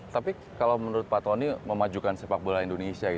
tapi kalau menurut pak tony memajukan sepak bola indonesia